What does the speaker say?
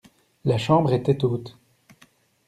La chambre était haute.